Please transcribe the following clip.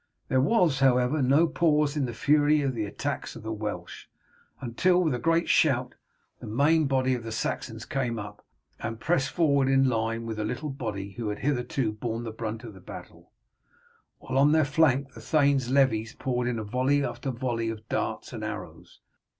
There was, however, no pause in the fury of the attacks of the Welsh, until, with a great shout, the main body of the Saxons came up, and pressed forward in line with the little body who had hitherto borne the brunt of the battle, while on their flank the thane's levies poured in volley after volley of darts and arrows.